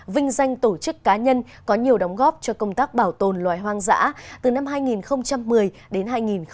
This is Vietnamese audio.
vinh danh tổ chức cá nhân có nhiều đóng góp cho công tác bảo tồn loài hoang dã từ năm hai nghìn một mươi đến hai nghìn một mươi bảy